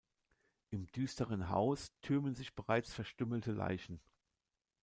Im düsteren Haus türmen sich bereits verstümmelte Leichen.